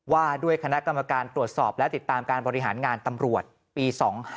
ว่าด้วยคณะกรรมการตรวจสอบและติดตามการบริหารงานตำรวจปี๒๕๖